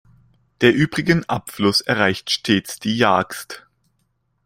Der übrigen Abfluss erreicht stets die "Jagst".